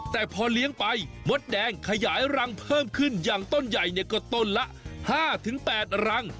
แต่พอเลี้ยงไปมดแดงขยายรังเพิ่มขึ้นอย่างต้นใหญ่เนี่ยก็ต้นละ๕๘รัง